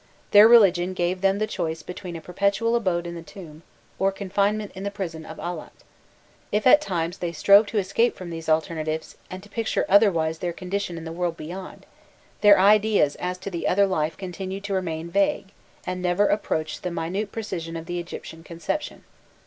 Their religion gave them the choice between a perpetual abode in the tomb, or confinement in the prison of Allat; if at times they strove to escape from these alternatives, and to picture otherwise their condition in the world beyond, their ideas as to the other life continued to remain vague, and never approached the minute precision of the Egyptian conception.